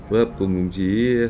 hợp cùng đồng chí